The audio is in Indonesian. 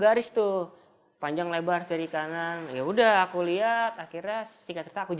ini juga yang saya ingin kasih tau